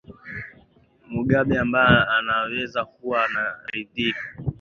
mugabe ambaye anaweza kuwa anaridhika